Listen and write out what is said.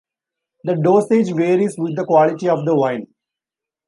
The dosage varies with the quality of the wine.